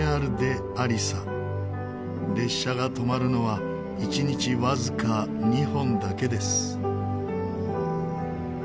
列車が止まるのは一日わずか２本だけです。